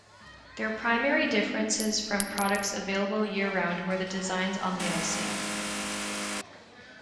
Their primary differences from products available year-round were the designs on the icing.